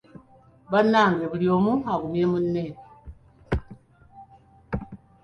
Bannange buli omu agumye munne.